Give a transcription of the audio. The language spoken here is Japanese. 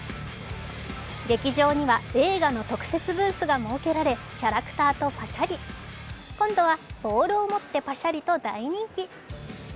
劇場には映画の特設ブースが設けられキャラクターとぱしゃり今度はボールを持ってパシャリと大人気。